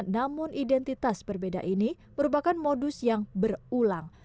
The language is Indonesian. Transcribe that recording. namun identitas berbeda ini merupakan modus yang berulang